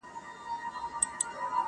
شپه د چيغو شاهده وي.